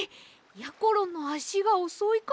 やころのあしがおそいから。